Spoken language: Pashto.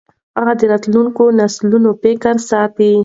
هغه د راتلونکو نسلونو فکر ساته.